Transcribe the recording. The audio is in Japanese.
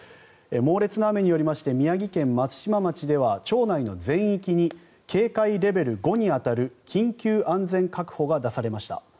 猛烈な雨によりまして宮城県松島町では町内の全域に警戒レベル５に当たる緊急安全確保が出されました。